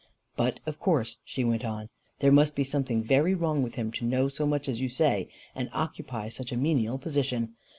"But of course," she went on, "there must be something VERY wrong with him to know so much as you say, and occupy such a menial position!